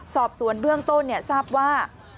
สอบสวนเบื้องต้นทราบว่า